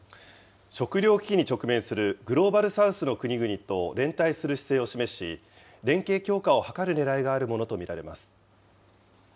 食料危機に直面するグローバル・サウスの国々と連帯する姿勢を示し、連携強化を図るねらいがあるものと見られます。